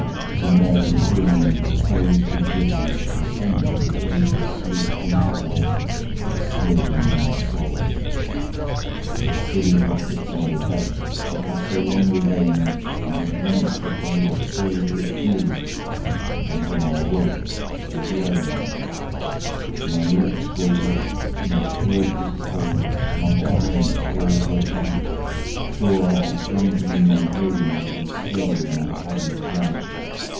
To Mary Queen the praise be given! She sent the gentle sleep from Heaven, That slid into my soul. By grace of the holy Mother, the ancient Mariner is refreshed with rain. The silly buckets on the deck, That had so long remained, I dreamt that they were filled with dew; And when I awoke, it rained. My lips were wet, my throat was cold, My garments all were dank; Sure I had drunken in my dreams, And still my body drank.